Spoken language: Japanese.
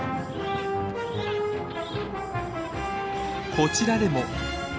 こちらでも。